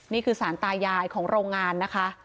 นี่คือสารตายายของโรงงานนะคะ